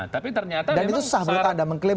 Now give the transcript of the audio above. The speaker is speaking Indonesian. tapi ternyata memang dan itu sah berkata anda mengklaim